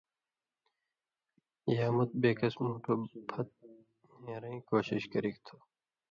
یا مت بےکس مُوٹُھو پھت نیرَیں کوشش کرِگ تھو۔